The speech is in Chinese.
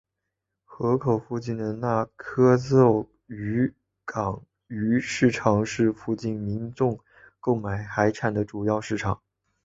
河口附近的那珂凑渔港鱼市场是附近民众购买海产的主要市场。